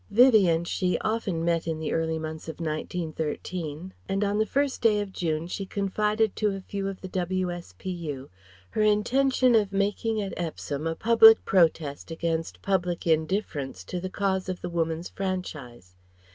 Vivie and she often met in the early months of 1913, and on the first day of June she confided to a few of the W.S.P.U. her intention of making at Epsom a public protest against public indifference to the cause of the Woman's Franchise.